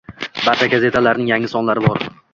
Barcha gazetalarning yangi sonlari bor